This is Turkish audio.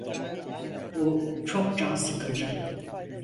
Bu çok can sıkıcı.